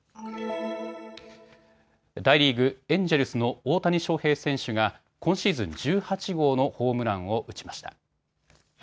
大リーグ、エンジェルスの大谷翔平選手が今シーズン１８号のホームランを打ちました。